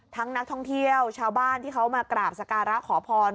นักท่องเที่ยวชาวบ้านที่เขามากราบสการะขอพร